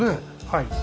はい。